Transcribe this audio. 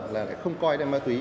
là không coi tiện nạn ma túy